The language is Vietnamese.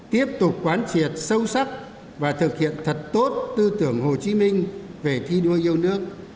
tiếp tục quán triệt sâu sắc và thực hiện thật tốt tư tưởng hồ chí minh về thi đua yêu nước